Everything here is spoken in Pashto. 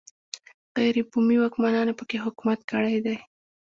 غیر بومي واکمنانو په کې حکومت کړی دی.